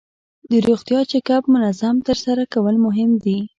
د روغتیا چک اپ منظم ترسره کول مهم دي.